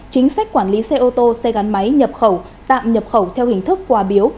chính sách quản lý xe ô tô xe gắn máy nhập khẩu tạm nhập khẩu theo hình thức quà biếu